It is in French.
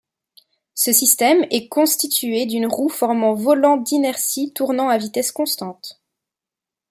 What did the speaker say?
Ce système est constitué d'une roue formant volant d'inertie tournant à vitesse constante.